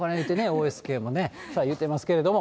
ＯＳＫもね、言うてますけども。